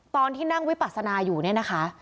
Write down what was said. ตอนที่นั่งวิปัสนาอยู่เนี่ยนะคะ